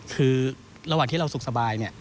คือระหว่างที่เราสุขสบาย